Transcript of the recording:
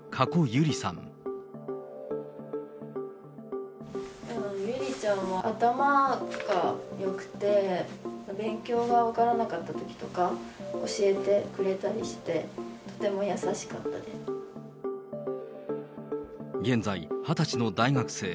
ゆりちゃんは頭がよくて、勉強が分からなかったときとか、教えてくれたりして、現在、２０歳の大学生。